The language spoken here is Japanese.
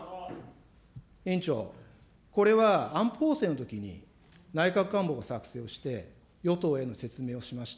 委員長、これは安保法制のときに、内閣法制が作成をして、与党への説明をしました。